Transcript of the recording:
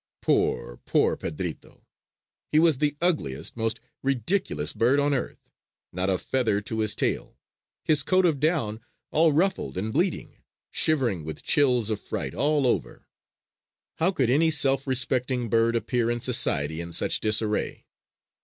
Poor, poor Pedrito! He was the ugliest, most ridiculous bird on earth! Not a feather to his tail! His coat of down all ruffled and bleeding! Shivering with chills of fright all over! How could any self respecting bird appear in society in such disarray?